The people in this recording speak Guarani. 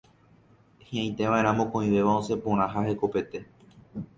Hiʼãitevaʼerã mokõivéva osẽ porã ha hekopete.